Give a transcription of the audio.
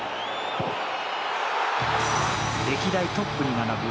歴代トップに並ぶ